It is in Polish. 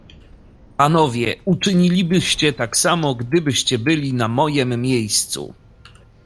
"Panowie uczynilibyście tak samo, gdybyście byli na mojem miejscu."